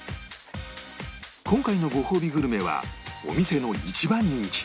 今回のごほうびグルメはお店の一番人気